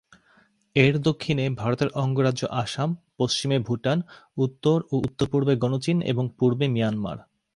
এর দক্ষিণে ভারতের অঙ্গরাজ্য আসাম, পশ্চিমে ভুটান, উত্তর ও উত্তর-পূর্বে গণচীন, এবং পূর্বে মিয়ানমার।